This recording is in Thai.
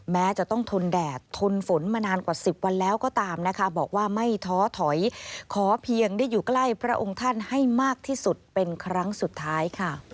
แม้จะต้องทนแดดทนฝนมานานกว่า๑๐วันแล้วก็ตามนะคะบอกว่าไม่ท้อถอยขอเพียงได้อยู่ใกล้พระองค์ท่านให้มากที่สุดเป็นครั้งสุดท้ายค่ะ